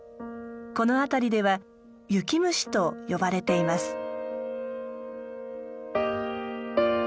この辺りでは「雪虫」と呼ばれています。